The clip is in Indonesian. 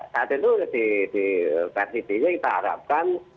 saat itu di versi b nya kita harapkan